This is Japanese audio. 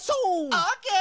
オーケー！